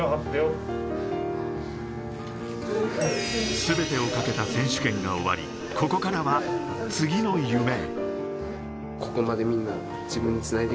全てを懸けた選手権が終わり、ここからは次の夢へ。